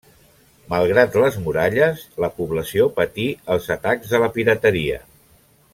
Malgrat les muralles, la població patí els atacs de la pirateria.